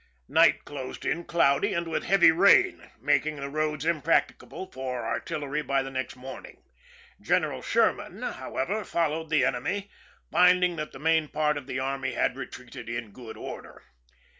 Night closed in cloudy and with heavy rain, making the roads impracticable for artillery by the next morning. Gen eral Sherman, however, followed the enemy, finding that the main part of the army had retreated in good order.'